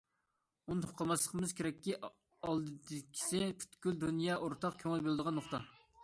ئۇنتۇپ قالماسلىقىمىز كېرەككى، ئالدىدىكىسى پۈتكۈل دۇنيا ئورتاق كۆڭۈل بۆلىدىغان نۇقتا.